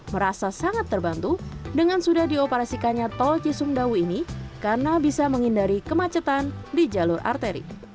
merasa sangat terbantu dengan sudah dioperasikannya tol cisumdawu ini karena bisa menghindari kemacetan di jalur arteri